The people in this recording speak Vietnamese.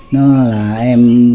nó là em